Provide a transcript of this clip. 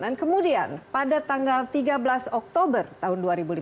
dan kemudian pada tanggal tiga belas oktober tahun dua ribu lima belas